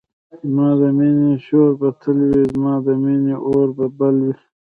زما د مینی شور به تل وی زما د مینی اور به بل وی